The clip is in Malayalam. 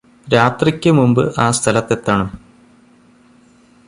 രാത്രിയ്ക് മുമ്പ് ആ സ്ഥലത്തെത്തണം